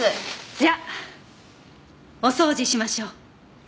じゃあお掃除しましょう。